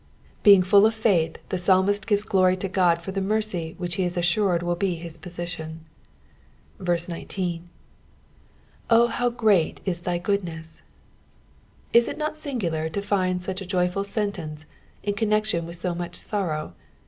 Bdng full of faith, the psalmist gires glory to Qod for the mercy which he JB assured will be his position. 19. " Oh lu>u great U thy goodnesi.'''' Is it not singular to find such a joyful sentence in connection with so much sorrow